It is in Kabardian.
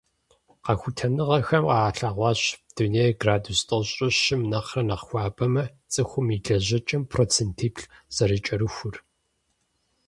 Къэхутэныгъэхэм къагъэлъэгъуащ дунейр градус тӏощӏрэ щым нэхърэ нэхъ хуабэмэ, цӀыхум и лэжьэкӀэм процентиплӏ зэрыкӀэрыхур.